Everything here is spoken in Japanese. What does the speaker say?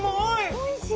おいしい？